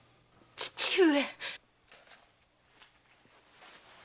父上！